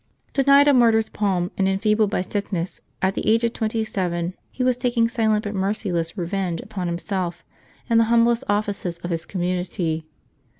De nied a martyr's palm, and enfeebled by sickness, at the age of twenty seven he was taking silent but merciless revenge upon himself in the humblest offices of his community.